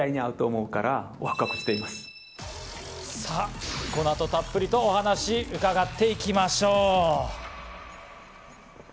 さぁこの後、たっぷりとお話伺っていきましょう。